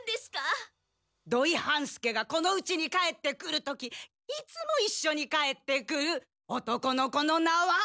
土井半助がこのうちに帰ってくる時いつもいっしょに帰ってくる男の子の名は？